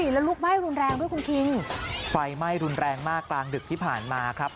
แล้วลุกไหม้รุนแรงด้วยคุณคิงไฟไหม้รุนแรงมากกลางดึกที่ผ่านมาครับ